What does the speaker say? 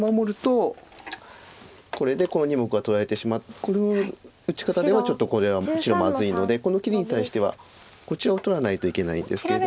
この打ち方ではちょっとこれは白まずいのでこの切りに対してはこちらを取らないといけないんですけれども。